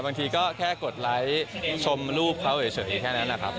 บางทีก็แค่กดไลค์ชมรูปเขาเฉยแค่นั้นนะครับ